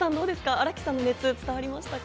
荒木さんの熱、伝わりました？